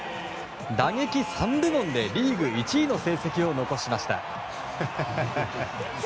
打撃３部門でリーグ１位の成績を残しました。